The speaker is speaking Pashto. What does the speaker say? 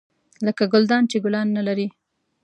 لکه ګلدان چې ګلان نه لري .